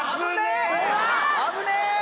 危ねえ！